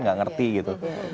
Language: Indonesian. nggak ngerti gitu